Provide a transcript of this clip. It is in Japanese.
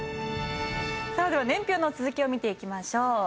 さあでは年表の続きを見ていきましょう。